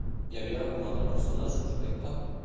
Hi havia alguna altra persona suspecta?